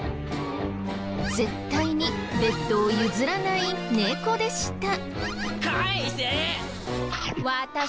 絶対にベッドを譲らない猫でした。